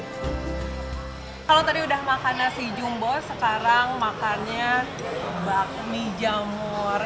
kalau tadi udah makan nasi jumbo sekarang makannya bakmi jamur